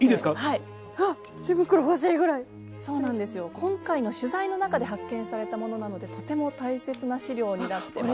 今回の取材の中で発見されたものなのでとても大切な資料になってます。